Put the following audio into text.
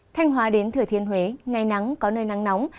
thanh hóa đến thừa thiên huế ngày nắng có nơi nắng nóng